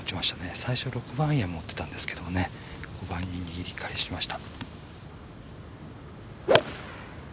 最初、６番アイアン持っていたんですが５番に変えました。